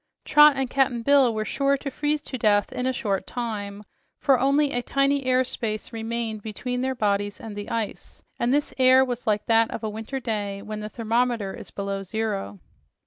Trot and Cap'n Bill were sure to freeze to death in a short time, for only a tiny air space remained between their bodies and the ice, and this air was like that of a winter day when the thermometer is below zero.